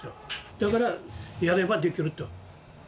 だからやればできると。